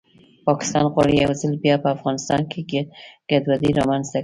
پاکستان غواړي یو ځل بیا په افغانستان کې ګډوډي رامنځته کړي